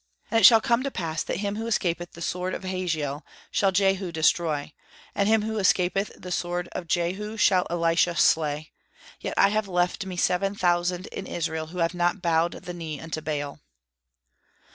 And it shall come to pass that him who escapeth the sword of Hazael shall Jehu destroy, and him that escapeth the sword of Jehu shall Elisha slay. Yet I have left me seven thousand in Israel, who have not bowed the knee unto Baal."